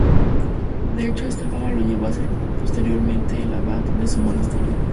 De hecho esta fama lo llevó a ser posteriormente el abad de su monasterio.